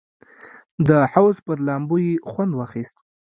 د حوض پر لامبو یې خوند واخیست.